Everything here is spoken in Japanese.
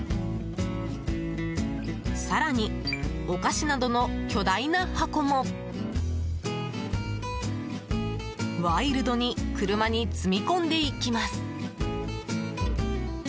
更に、お菓子などの巨大な箱もワイルドに車に積み込んでいきます。